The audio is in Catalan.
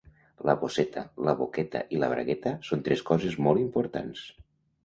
La bosseta, la boqueta i la bragueta són tres coses molt importants.